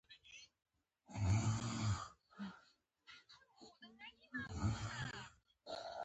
سږکال موسم بدل دی